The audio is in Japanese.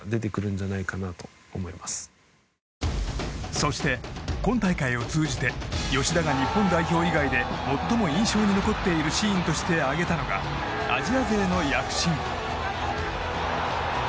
そして、今大会を通じて吉田が日本代表以外で最も印象に残っているシーンとして挙げたのがアジア勢の躍進。